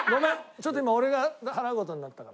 ちょっと今俺が払う事になったから。